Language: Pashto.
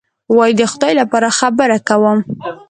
وایي: د خدای لپاره خبره کوم.